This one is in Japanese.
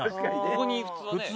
ここに普通はね。